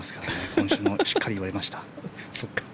今週もしっかり言われました。